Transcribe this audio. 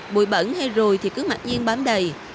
bụi bẩn hay rùi thì cứ mặt nhiên bán đầy